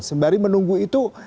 tapi menunggu itu